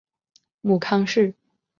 母康氏。